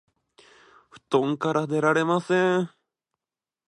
布団から出られません